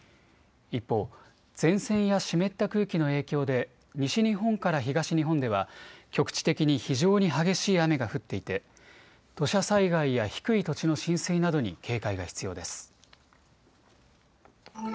一方、前線や湿った空気の影響で西日本から東日本では局地的に非常に激しい雨が降っていて土砂災害や低い土地の浸水などに警戒が必要です。